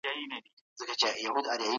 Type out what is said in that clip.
ولي ډیپلوماسي په نړۍ کي مهمه ده؟